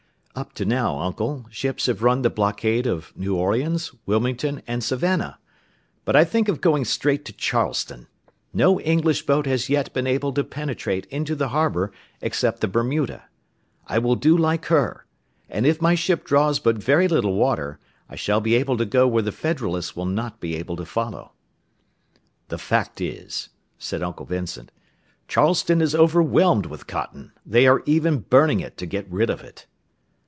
"Up to now, Uncle, ships have run the blockade of New Orleans, Wilmington, and Savannah, but I think of going straight to Charleston; no English boat has yet been able to penetrate into the harbour, except the Bermuda. I will do like her, and, if my ship draws but very little water, I shall be able to go where the Federalists will not be able to follow." "The fact is," said Uncle Vincent, "Charleston is overwhelmed with cotton; they are even burning it to get rid of it."